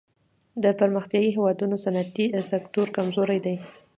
د پرمختیايي هېوادونو صنعتي سکتور کمزوری دی.